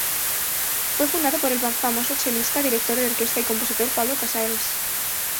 Fue fundado por el famoso chelista, director de orquesta y compositor Pablo Casals.